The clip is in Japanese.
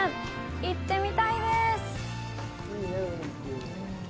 行ってみたいです！